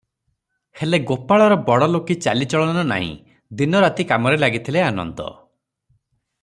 ହେଲେ, ଗୋପାଳର ବଡ଼ଲୋକୀ ଚାଲିଚଳନ ନାଇଁ, ଦିନ ରାତି କାମରେ ଲାଗିଥିଲେ ଆନନ୍ଦ ।